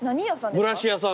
ブラシ屋さん。